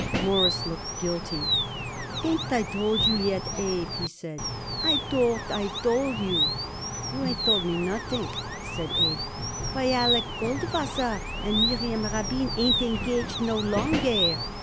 Morris looked guilty. "Ain't I told you yet, Abe?" he said. "I thought I told you." "You ain't told me nothing," said Abe. "Why, Alec Goldwasser and Miriam Rabin ain't engaged no longer.